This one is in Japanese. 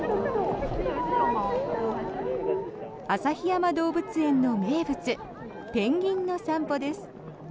旭山動物園の名物ペンギンの散歩です。